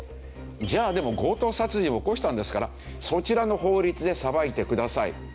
じゃあでも強盗殺人を起こしたんですからそちらの法律で裁いてくださいとお願いをした。